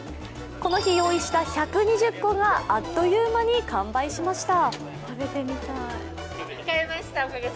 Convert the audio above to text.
この日、用意した１２０個があっという間に完売しました。